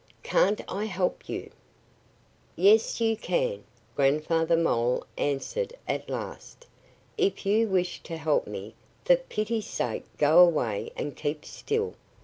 "Can't I help you?" "Yes, you can!" Grandfather Mole answered at last. "If you wish to help me, for pity's sake go away and keep still!